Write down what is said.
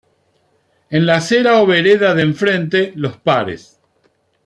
En la acera o vereda de enfrente, los pares.